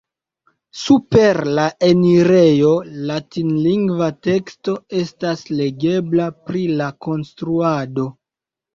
Super la enirejo latinlingva teksto estas legebla pri la konstruado.